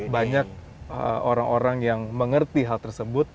banyak orang orang yang mengerti hal tersebut